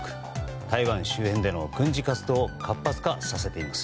台湾周辺での軍事活動を活発化させています。